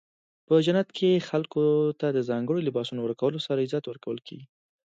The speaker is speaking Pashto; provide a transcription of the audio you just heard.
په جنت کې خلکو ته د ځانګړو لباسونو ورکولو سره عزت ورکول کیږي.